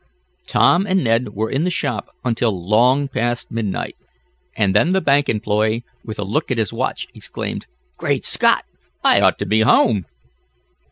Tom and Ned were in the shop until long past midnight, and then the bank employee, with a look at his watch, exclaimed: "Great Scott! I ought to be home."